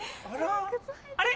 あれ？